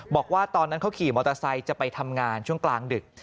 บอกว่าตอนนั้นเขาขี่มอเตอร์ไซค์จะไปทำงานช่วงกลางดึก